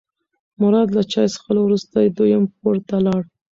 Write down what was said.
مراد له چای څښلو وروسته دویم پوړ ته لاړ.